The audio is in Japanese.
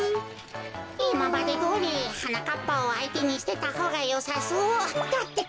いままでどおりはなかっぱをあいてにしてたほうがよさそうだってか。